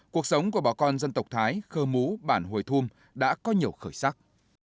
cuộc sống của bà con dân tộc thái khơ mú bản hồi thum đã có nhiều khởi sắc